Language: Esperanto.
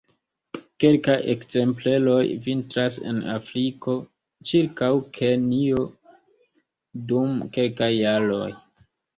Kelkaj ekzempleroj vintras en Afriko ĉirkaŭ Kenjo dum kelkaj jaroj.